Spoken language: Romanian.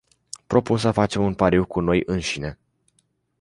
Propun să facem un pariu cu noi înșine.